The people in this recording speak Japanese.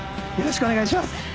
よろしくお願いします。